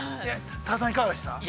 多田さん、いかがでしたか。